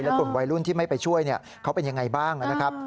กลุ่มวัยรุ่นที่ไม่ไปช่วยเขาเป็นยังไงบ้างนะครับ